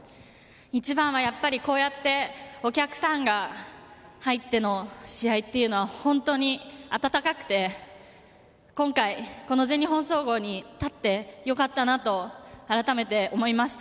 一番はやっぱりこうやってお客さんが入っての試合というのは本当に温かくて今回、全日本総合に立ってよかったなとあらためて思いました。